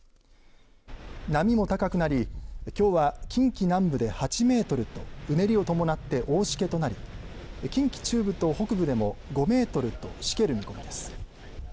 波も高くなり、きょうは近畿南部で８メートルとうねりを伴って大しけとなり近畿中部と北部でも５メートルとしける見込みです。